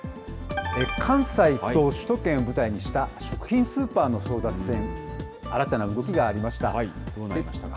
関西と首都圏を舞台にした食品スーパーの争奪戦、新たな動きがあどうなりましたか。